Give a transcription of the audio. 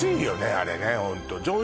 あれね